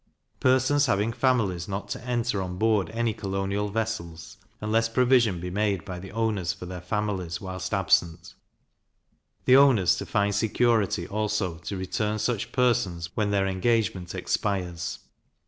Persons having families not to enter on board any colonial vessels, unless provision be made by the owners for their families whilst absent; the owners to find security also to return such persons when their engagement expires.